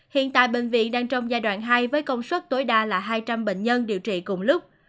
hiện tại bệnh viện đang trong giai đoạn hai với công suất tối đa là hai trăm linh bệnh nhân điều trị cùng lúc